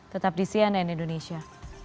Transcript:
tetap di cnn indonesia